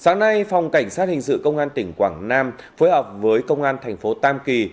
sáng nay phòng cảnh sát hình sự công an tỉnh quảng nam phối hợp với công an thành phố tam kỳ